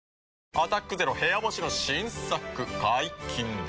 「アタックＺＥＲＯ部屋干し」の新作解禁です。